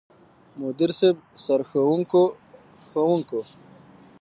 مدير صيب، سرښوونکو ،ښوونکو،